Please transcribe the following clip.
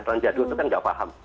orang jadul itu kan tidak paham